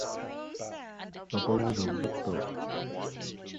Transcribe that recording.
In his debut, Kazim scored in the friendly tournament the Florida Cup.